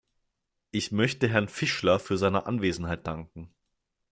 Ich möchte Herrn Fischler für seine Anwesenheit danken.